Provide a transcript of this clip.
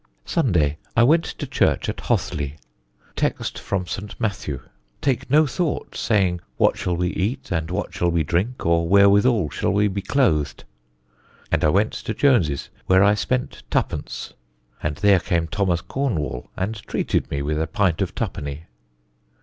"Sunday. I went to church at Hothley. Text from St. Matthew 'Take no thought, saying, What shall we eat, and what shall we drink, or wherewithal shall we be clothed,' and I went to Jones', where I spent 2_d._, and there came Thomas Cornwall, and treated me with a pint of twopenny.